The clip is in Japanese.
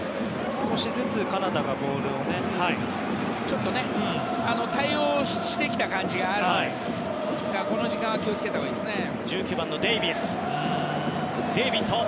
少しずつカナダがボールをね。対応してきた感じがあるからこの時間は気を付けたほうがいいですね。